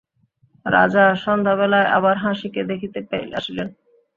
রাজা সন্ধ্যাবেলায় আবার হাসিকে দেখিতে আসিলেন।